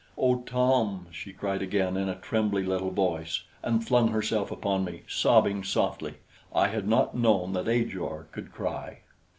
"Oh, Tom!" she cried again in a trembly little voice and flung herself upon me, sobbing softly. I had not known that Ajor could cry.